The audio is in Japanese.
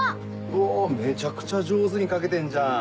おめちゃくちゃ上手に描けてんじゃん。